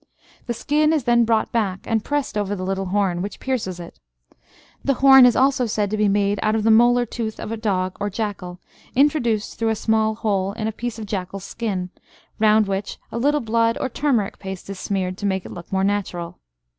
The skin is then brought back, and pressed over the little horn which pierces it. The horn is also said to be made out of the molar tooth of a dog or jackal, introduced through a small hole in a piece of jackal's skin, round which a little blood or turmeric paste is smeared to make it look more natural.